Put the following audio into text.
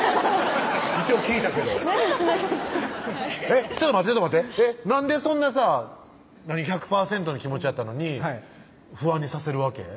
一応聞いたけどちょっと待ってちょっと待ってなんでそんなさ１００％の気持ちやったのに不安にさせるわけ？